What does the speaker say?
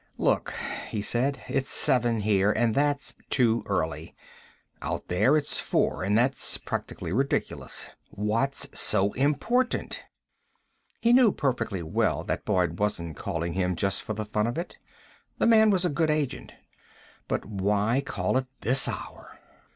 "Look," he said. "It's seven here and that's too early. Out there, it's four, and that's practically ridiculous. What's so important?" He knew perfectly well that Boyd wasn't calling him just for the fun of it. The man was a good agent. But why a call at this hour?